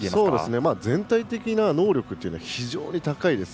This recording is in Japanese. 全体的な能力というのは非常に高いです。